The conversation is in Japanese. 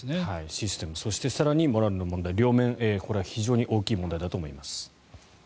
システムそして、モラルの問題両面、これは非常に大きい問題だと思います。